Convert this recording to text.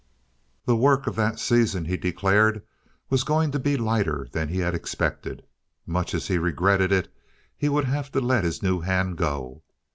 The work of that season, he declared, was going to be lighter than he had expected. Much as he regretted it, he would have to let his new hand go.